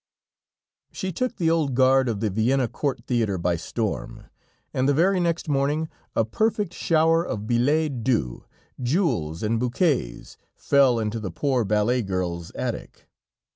She took the old guard of the Vienna Court Theater by storm, and the very next morning a perfect shower of billets doux, jewels and bouquets fell into the poor ballet girl's attic.